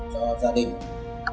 cho gia đình